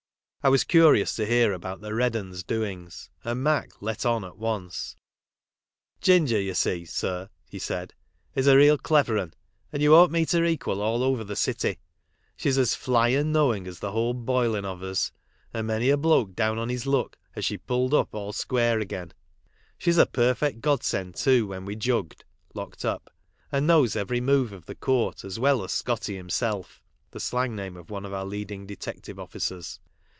I was curious to hear about the " Red Ws " doings, and Mac " let on " at once :« Ginger, you see, sir," he said, « is a real clever un, and you won't meet her equal all over the city. She is as fly and knowing as the whole boilm of us, and many a bloke down on his luck has she pulled up all square again. She's a perfect godsend too when we're jugged (locked up), and. knows every move of the court as well as Scotty himself (the slang name of one of our leading detective ofiicers).